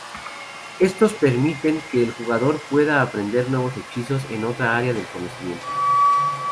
Estos permiten que el jugador pueda aprender nuevos hechizos en otra área del conocimiento.